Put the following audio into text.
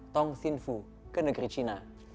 tong xinfu ke negeri china